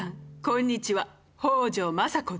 こんにちは。